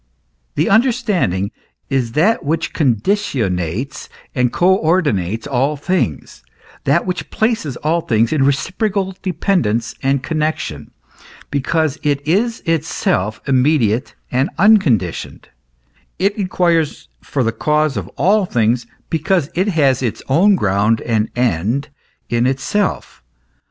The understanding is that which conditionates and co ordinates all things, that which places all things in reciprocal dependence and connexion, because it is itself immediate and unconditioned ; it inquires for the cause of all things, because it has its own ground and end in itself.